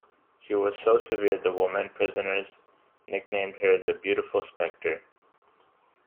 She was so severe the women prisoners nicknamed her the "Beautiful Specter".